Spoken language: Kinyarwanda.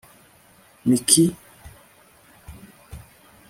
mick